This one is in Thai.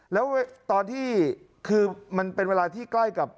แล้วตอนที่คือมันเป็นเวลาที่ใกล้กับ